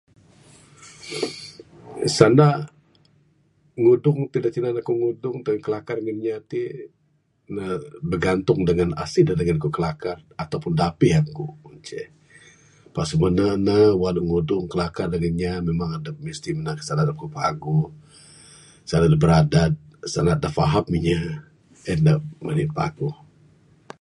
Senda ngudung ti dak tinan aku ngudung kilakar ngan inya ti ne bigantung dengan esih dak dengan ku kilakar ataupun dak pih aku. Pak semine ne wang ngudung kilakar dengan inya memang adep mesti minan senda dak paguh-paguh asal ne beradat, asal ne faham inya en ne menik paguh.